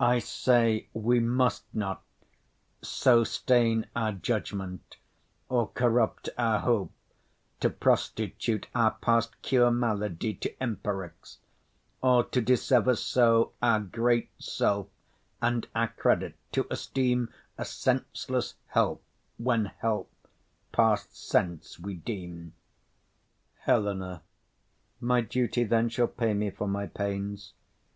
I say we must not So stain our judgment, or corrupt our hope, To prostitute our past cure malady To empirics, or to dissever so Our great self and our credit, to esteem A senseless help, when help past sense we deem. HELENA. My duty then shall pay me for my pains.